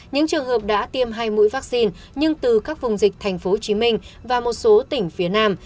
những trường hợp đã tiêm hai mũi vaccine nhưng từ các vùng dịch tp hcm và một số tỉnh phía nam